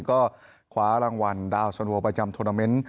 ก็ขวารางวัลดาวน์สอนโหวประจำโทรเมนต์